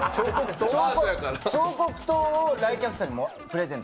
彫刻刀を来客にプレゼント。